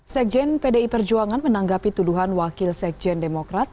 sekjen pdi perjuangan menanggapi tuduhan wakil sekjen demokrat